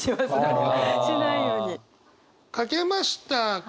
書けましたか？